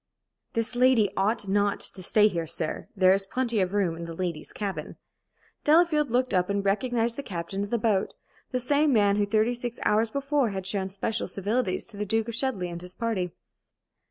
"This lady ought not to stay here, sir. There is plenty of room in the ladies' cabin." Delafield looked up and recognized the captain of the boat, the same man who, thirty six hours before, had shown special civilities to the Duke of Chudleigh and his party.